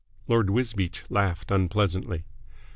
Lord Wisbeach laughed unpleasantly.